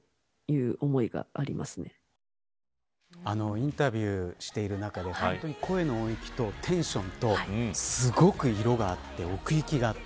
インタビューしている中で声の音域とテンションとすごく色があって奥行きがあって。